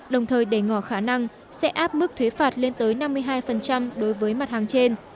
đồng thời để ngỏ khả năng sẽ áp mức thuế phạt lên tới năm mươi hai đối với mặt hàng trên